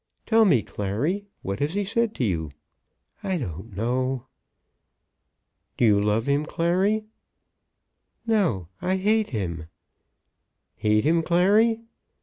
"Tell me, Clary; what has he said to you?" "I don't know." "Do you love him, Clary?" "No. I hate him." "Hate him, Clary?